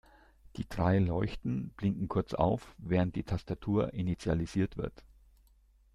Die drei Leuchten blinken kurz auf, während die Tastatur initialisiert wird.